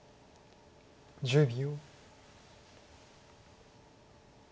１０秒。